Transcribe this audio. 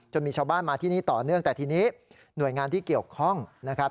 มีชาวบ้านมาที่นี่ต่อเนื่องแต่ทีนี้หน่วยงานที่เกี่ยวข้องนะครับ